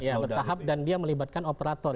iya bertahap dan dia melibatkan operator